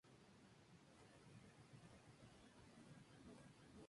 Fue becado por la Universidad de Valencia y por la Diputación Provincial.